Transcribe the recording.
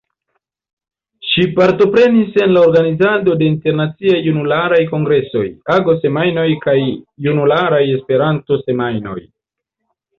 Ŝi partoprenis en la organizado de Internaciaj Junularaj Kongresoj, Ago-Semajnoj kaj Junularaj E-Semajnoj.